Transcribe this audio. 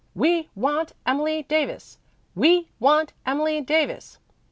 We want Emily Davis. We want Emily Davis."